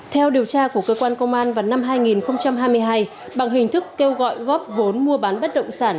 theo điều tra của cơ quan công an vào năm hai nghìn hai mươi hai bằng hình thức kêu gọi góp vốn mua bán bất động sản